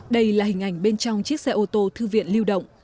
đây là hình ảnh bên trong chiếc xe ô tô thư viện lưu động